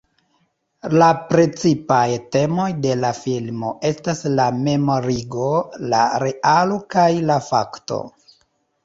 La precipaj temoj de la filmo estas la memorigo, la realo kaj la fakto.